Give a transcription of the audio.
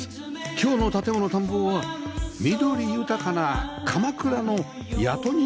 今日の『建もの探訪』は緑豊かな鎌倉の谷戸にたつ家